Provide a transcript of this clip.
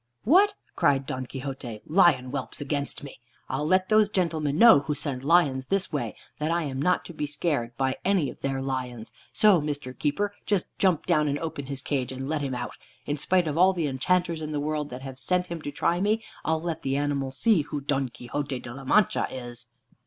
"What!" cried Don Quixote, "lion whelps against me! I'll let those gentlemen know who send lions this way, that I am not to be scared by any of their lions. So, Mr. Keeper, just jump down and open his cage, and let him out. In spite of all the enchanters in the world that have sent him to try me, I'll let the animal see who Don Quixote de la Mancha is."